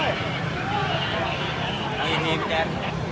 เย็นแก